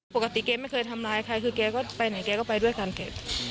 แกไม่เคยทำร้ายใครคือแกก็ไปไหนแกก็ไปด้วยกันแก